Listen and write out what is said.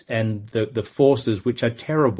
dan kekuatan yang teruk